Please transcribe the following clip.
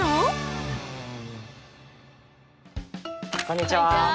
こんにちは！